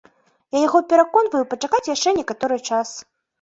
Я яго пераконваю пачакаць яшчэ некаторы час.